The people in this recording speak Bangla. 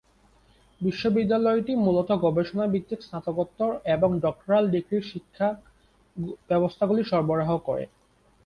বিশ্ববিদ্যালয়টি মূলত গবেষণা ভিত্তিক স্নাতকোত্তর এবং ডক্টরাল ডিগ্রির শিক্ষা ব্যবস্থাগুলি সরবরাহ করে।